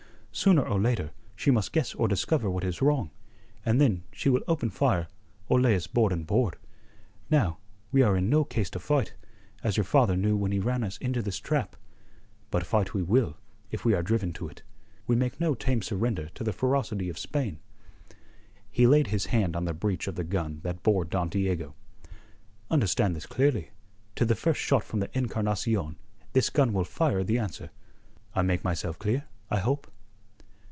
Sooner or later, she must guess or discover what is wrong, and then she will open fire or lay us board and board. Now, we are in no case to fight, as your father knew when he ran us into this trap. But fight we will, if we are driven to it. We make no tame surrender to the ferocity of Spain." He laid his hand on the breech of the gun that bore Don Diego. "Understand this clearly: to the first shot from the Encarnacion this gun will fire the answer. I make myself clear, I hope?"